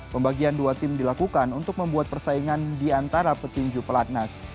pembagian dua tim dilakukan untuk membuat persaingan di antara petinju pelatnas